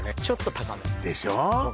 ちょっと高めでしょ？